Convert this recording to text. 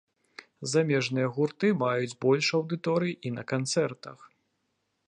Замежныя гурты маюць больш аўдыторыі і на канцэртах.